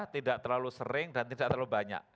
tidak terlalu sering dan tidak terlalu banyak